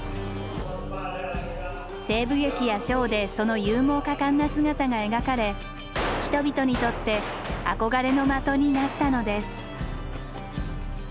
西部劇やショーでその勇猛果敢な姿が描かれ人々にとって憧れの的になったのです。